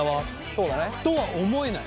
そうだね。とは思えない。